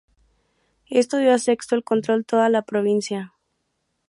Esto dio a Sexto el control de toda la provincia.